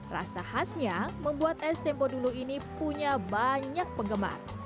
rasa khasnya membuat es tempo dulu ini punya banyak penggemar